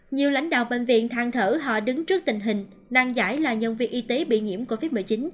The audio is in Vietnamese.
nhiều lãnh đạo bệnh viện than thở họ đứng trước tình hình nan giải là nhân viên y tế bị nhiễm covid một mươi chín